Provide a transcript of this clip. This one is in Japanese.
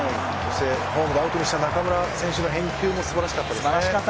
ホームでアウトにした中村選手の返球もすばらしかったですね。